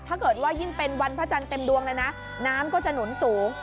ถ้าเกิดว่ายิ่งเป็นวันพระจันทร์เต็มดวงเลยนะน้ำก็จะหนุนสูง